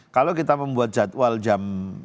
kalau kita membuat jadwal jam